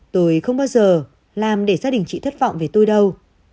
tôi không bao giờ làm để gia đình chị thất vọng về tôi đâu